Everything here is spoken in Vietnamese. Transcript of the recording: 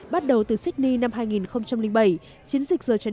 bắt đầu từ sydney năm hai nghìn bảy